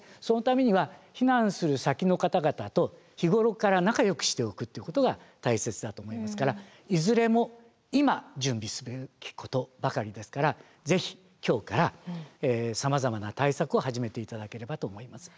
そのためには避難する先の方々と日頃から仲よくしておくってことが大切だと思いますからいずれも今準備すべきことばかりですからぜひ今日からさまざまな対策を始めて頂ければと思います。